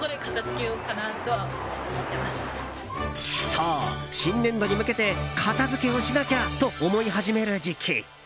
そう、新年度に向けて片付けをしなきゃと思い始める時期。